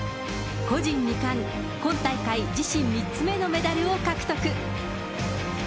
個人２冠、今大会、自身３つ目のメダルを獲得。